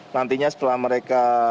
nantinya setelah mereka